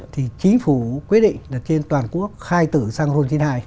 thì chính phủ quyết định là trên toàn quốc khai tử săng hôn chín mươi hai